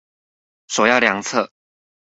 首要良策